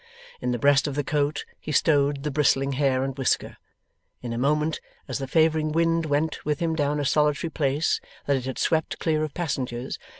In the breast of the coat he stowed the bristling hair and whisker, in a moment, as the favouring wind went with him down a solitary place that it had swept clear of passengers.